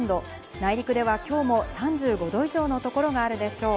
内陸では今日も３５度以上のところがあるでしょう。